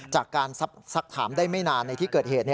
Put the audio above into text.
จากการสักถามได้ไม่นานในที่เกิดเหตุ